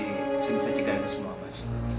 semoga semoga gak ada apa apa mas